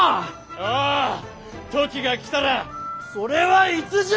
ああ時が来たら！それはいつじゃ？